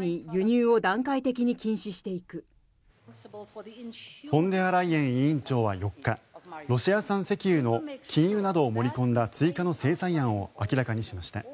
フォンデアライエン委員長は４日ロシア産石油の禁輸などを盛り込んだ追加の制裁案を明らかにしました。